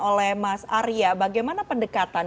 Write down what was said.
oleh mas arya bagaimana pendekatan